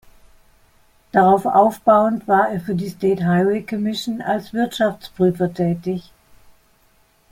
Darauf aufbauend war er für die "State Highway Commission" als Wirtschaftsprüfer tätig.